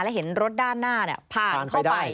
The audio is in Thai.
แล้วเห็นรถด้านหน้าผ่านเข้าไป